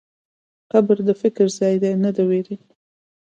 قبر د فکر ځای دی، نه د وېرې.